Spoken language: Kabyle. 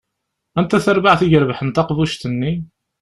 Anta tarbaɛt i irebḥen taqbuct-nni?